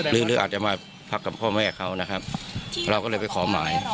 หรืออาจจะมาพักกับพ่อแม่เขานะครับเราก็เลยไปขอหมาย